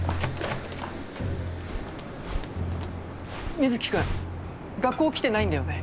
水城君学校来てないんだよね？